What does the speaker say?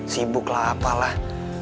sibuk lah apalah